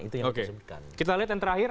itu yang kita sebutkan kita lihat yang terakhir